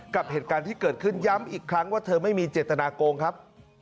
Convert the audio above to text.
กับเหตุการณ์ที่เกิดขึ้นย้ำอีกครั้งว่าเธอไม่มีเจตนาโกงครับ